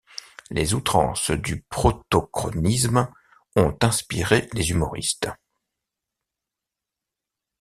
Les outrances du protochronisme ont inspiré les humoristes.